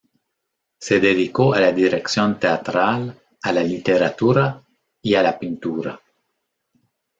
Se dedicó a la dirección teatral, a la literatura y a la pintura.